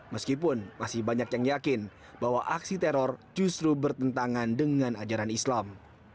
meskipun masih banyak yang yakin bahwa aksi teror justru bertentangan dengan ajaran islam